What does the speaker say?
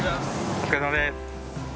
お疲れさまです。